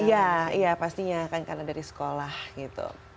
iya iya pastinya kan karena dari sekolah gitu